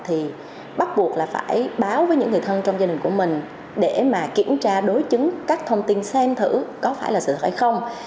thì bắt buộc là phải báo với những người thân trong gia đình của mình để mà kiểm tra đối chứng các thông tin xem thử có phải là sự hay không